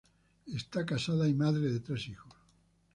Es casada y madre de tres hijos.